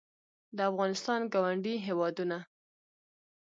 د افغانستان ګاونډي هېوادونه